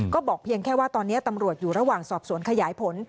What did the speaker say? ก็บอกเพียงแค่ว่าตอนนี้ตำรวจอยู่ระหว่างสอบสวนขยายผล